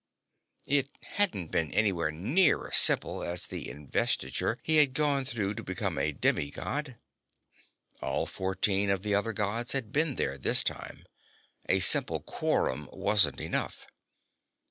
It hadn't been anywhere near as simple as the Investiture he had gone through to become a demi God. All fourteen of the other Gods had been there this time; a simple quorum wasn't enough.